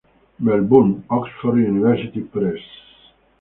Melbourne: Oxford University Press.